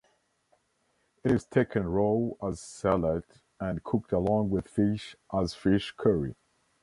It is taken raw as salad and cooked along with fish as fish curry.